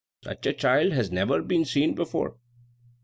Such a child has never been seen before!"